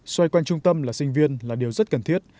xoay quanh trung tâm là sinh viên là điều rất cần thiết